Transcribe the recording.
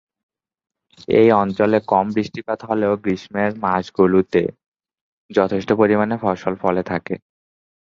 এই অঞ্চলে কম বৃষ্টিপাত হলেও গ্রীষ্মের মাসগুলিতে যথেষ্ট পরিমাণে ফসল ফলে থাকে।